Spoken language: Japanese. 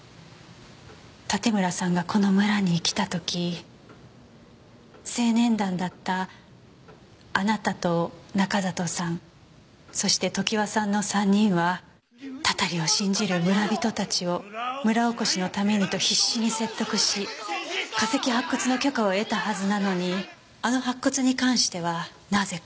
盾村さんがこの村に来た時青年団だったあなたと中里さんそして常盤さんの３人はたたりを信じる村人たちを村おこしのためにと必死に説得し化石発掘の許可を得たはずなのにあの白骨に関してはなぜか。